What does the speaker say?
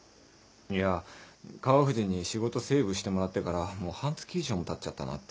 いや川藤に仕事セーブしてもらってからもう半月以上もたっちゃったなって。